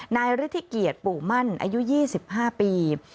นายฤทธิเกียรติปู่มั่นอายุ๒๕ปี